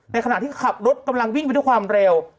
ขณะที่ขับรถกำลังวิ่งไปด้วยความเร็ว